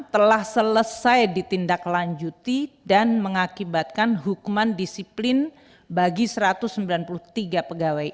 satu ratus delapan puluh enam telah selesai ditindaklanjuti dan mengakibatkan hukuman disiplin bagi satu ratus sembilan puluh tiga pegawai